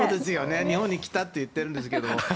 日本に来たって言っているんですけどね。